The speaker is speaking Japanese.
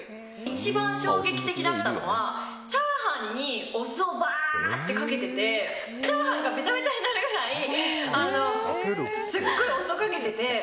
一番、衝撃的だったのはチャーハンにお酢をばーっとかけててチャーハンがべちゃべちゃになるくらいすごいお酢をかけてて。